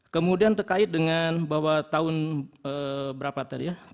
kemudian terkait dengan bahwa tahun berapa tadi ya